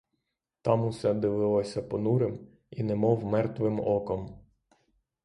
Там усе дивилося понурим і немов мертвим оком.